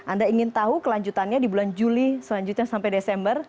anda ingin tahu kelanjutannya di bulan juli selanjutnya sampai desember